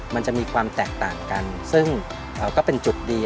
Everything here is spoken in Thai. มันจะมีความแตกต่างกันซึ่งก็เป็นจุดดี